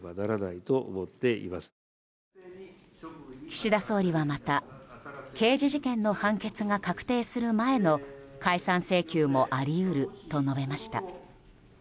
岸田総理は、また刑事事件の判決が確定する前の解散請求もあり得ると述べました。